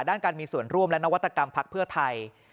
ด้านการมีส่วนร่วมและนวัตกรรมพักเพื่อไทย